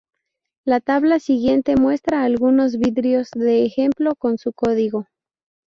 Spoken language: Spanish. La tabla siguiente muestra algunos vidrios de ejemplo con su código.